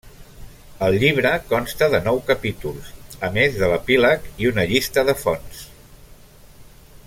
El llibre consta de nou capítols, a més de l'epíleg i una llista de fonts.